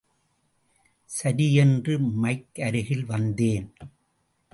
சரி என்று மைக் அருகில் வந்தேன்.